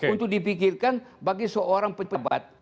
untuk dipikirkan bagi seorang pejabat